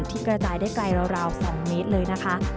กระจายได้ไกลราว๒เมตรเลยนะคะ